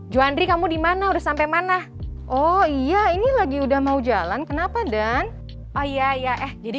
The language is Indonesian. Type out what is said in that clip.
juandri kamu dimana udah sampai mana oh iya ini lagi udah mau jalan kenapa dan oh iya ya eh jadi